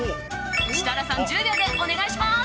設楽さん、１０秒でお願いします。